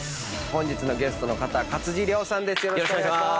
本日のゲスト勝地涼さんです。